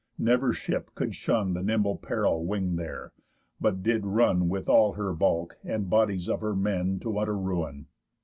Never ship could shun The nimble peril wing'd there, but did run With all her bulk, and bodies of her men, To utter ruin.